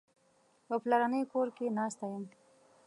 په پلرني کور کې ناست یم.